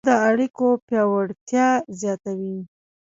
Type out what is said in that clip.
• واده د اړیکو پیاوړتیا زیاتوي.